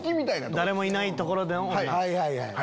誰もいないところでの。